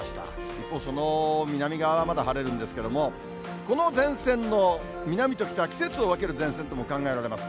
一方、その南側はまだ晴れるんですけれども、この前線の南と北、季節を分ける前線とも考えられます。